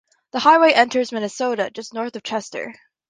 The highway enters Minnesota just north of Chester.